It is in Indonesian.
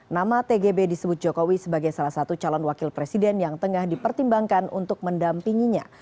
nama tgb disebut jokowi sebagai salah satu calon wakil presiden yang tengah dipertimbangkan untuk mendampinginya